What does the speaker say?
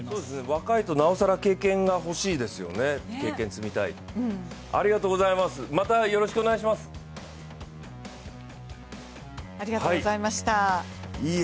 若いと、なおさら経験が欲しいですよね、経験積みたい。